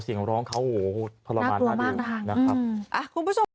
เสียงร้องเขาโอ้โหทรมานมาเองนะครับอ่ะคุณผู้ชม